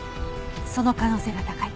その可能性が高い。